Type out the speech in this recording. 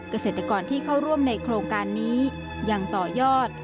เกษตรกรที่เข้าร่วมในโครงการนี้ยังต่อยอด